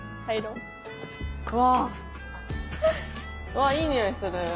うわいい匂いする。